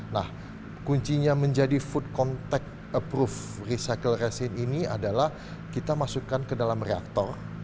nah kuncinya menjadi food contact approve recycle resin ini adalah kita masukkan ke dalam reaktor